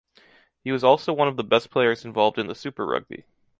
He was also one of the best players involved in the Super Rugby.